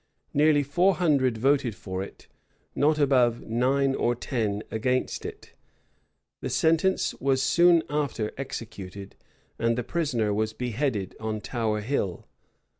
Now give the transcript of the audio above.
Near four hundred voted for it; not above nine or ten against it.[] The sentence was soon after executed, and the prisoner was beheaded on Tower Hill.